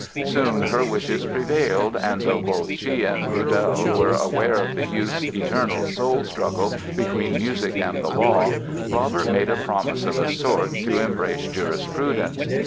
Soon her wishes prevailed and, though both she and Rudel were aware of the youth's "eternal soul struggle" between music and the law, Robert made a promise of a sort to embrace jurisprudence.